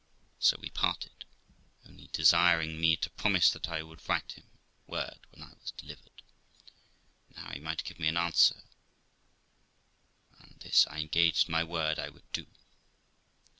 So we parted, only desiring me to promise that I would write him word when I was delivered, and how he might give me an answer; and this I engaged my word I would do.